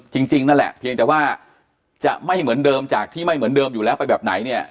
จริงนั่นแหละเพียงแต่ว่าจะไม่เหมือนเดิมจากที่ไม่เหมือนเดิมอยู่แล้วไปแบบไหนเนี่ย